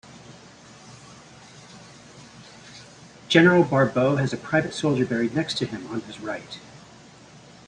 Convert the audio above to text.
General Barbot has a private soldier buried next to him, on his right.